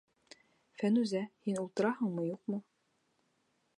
Фәнүзә, һин ултыраһыңмы, юҡмы?